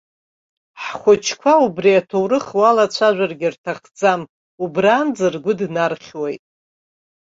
Ҳхәыҷқәа убри аҭоурых уалацәажәаргьы рҭахӡам, убранӡа ргәы днархьуеит.